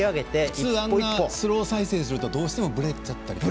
普通あんなスロー再生するとぶれちゃったりとか。